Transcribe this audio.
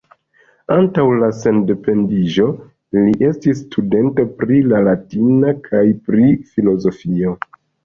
Antaŭ la sendependiĝo, li estis studento pri la latina kaj pri filozofio.